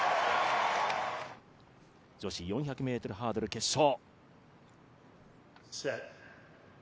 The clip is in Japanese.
女子４００ｍハードル決勝。